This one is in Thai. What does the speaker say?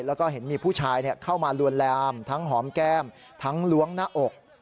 แล้วก็เห็นมีผู้ชายเข้ามาลวนลามทั้งหอมแก้มทั้งล้วงหน้าอก